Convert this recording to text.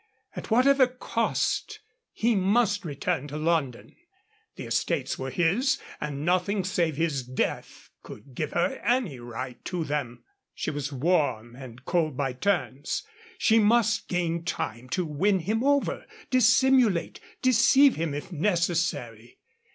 At whatever cost he must return to London. The estates were his, and nothing save his death could give her any right to them. She was warm and cold by turns. She must gain time to win him over, dissimulate, deceive him if necessary.